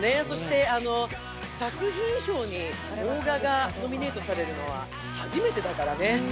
そして、作品賞に邦画がノミネートされるのは初めてだからね。